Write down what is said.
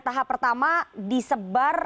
tahap pertama disebar